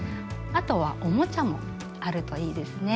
あとはおもちゃもあるといいですね。